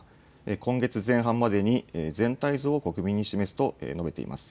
今月前半までに、全体像を国民に示すと述べています。